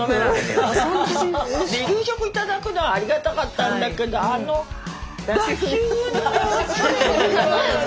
給食頂くのはありがたかったんだけどあの脱脂粉乳。